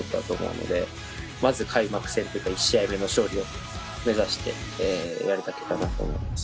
まず開幕戦っていうか１試合目の勝利を目指してやるだけかなと思います。